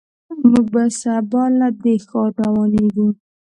موږ به سبا له دې ښار روانېږو.